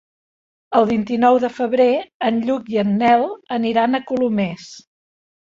El vint-i-nou de febrer en Lluc i en Nel aniran a Colomers.